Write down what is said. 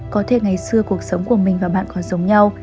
có thể ngày xưa cuộc sống của mình và bạn còn giống nhau